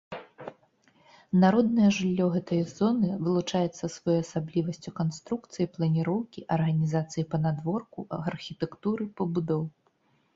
Народнае жыллё гэтай зоны вылучаецца своеасаблівасцю канструкцыі, планіроўкі, арганізацыі панадворку, архітэктуры пабудоў.